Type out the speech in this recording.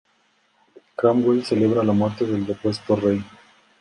Cromwell celebra la muerte del depuesto Rey.